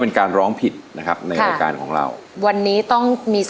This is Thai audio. โปรดติดตามต่อไป